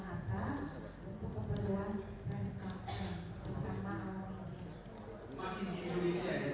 tidak pernah dianakan mereka bukan ya